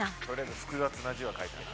複雑な字は書いたな。